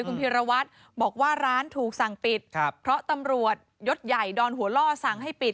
คุณพีรวัตรบอกว่าร้านถูกสั่งปิดครับเพราะตำรวจยศใหญ่ดอนหัวล่อสั่งให้ปิด